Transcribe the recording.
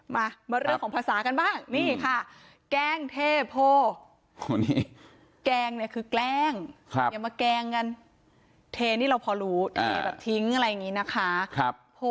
มามาเรื่องของภาษากันบ้างนี่ค่ะแกล้งเทโพแกล้งเนี่ยคือแกล้งอย่ามาแกล้งกันเทนี่เราพอรู้เทแบบทิ้งอะไรอย่างนี้นะคะ